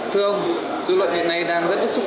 thưa ông dư luận hiện nay đang rất ước súc